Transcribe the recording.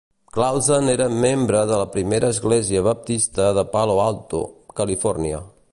Clausen era membre de la Primera Església Baptista de Palo Alto, Califòrnia.